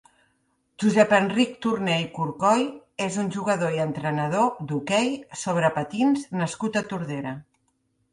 Josep Enric Torner i Corcoy és un jugador i entrenador d'hoquei sobre patins nascut a Tordera.